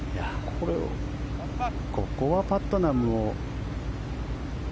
ここはパットナムを。